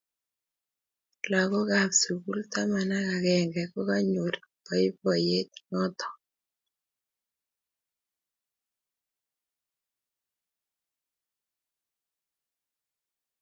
Lagookab sugul taman ak agenge kokanyor boiboiyet notok